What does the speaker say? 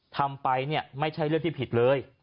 ทำไปเนี่ยไม่ใช่เรื่องที่ผิดเลย